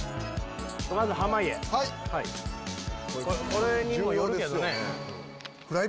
これにもよるけどね。